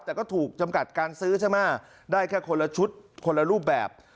แต่ก็ถูกจำกัดการซื้อใช่ไหมได้แค่คนละชุดคนละรูปแบบ